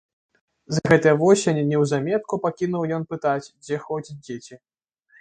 З гэтай восені неўзаметку пакінуў ён пытаць, дзе ходзяць дзеці.